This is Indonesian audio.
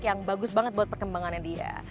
yang bagus banget buat perkembangannya dia